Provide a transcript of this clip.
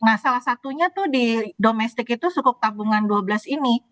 nah salah satunya tuh di domestik itu sukuk tabungan dua belas ini